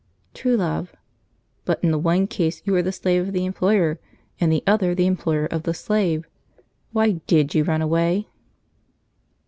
True Love. "But in the one case you are the slave of the employer, in the other the employer of the slave. Why did you run away?"